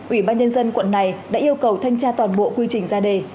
ủy ban nhân dân quận này đã yêu cầu thanh tra toàn bộ quy trình ra đề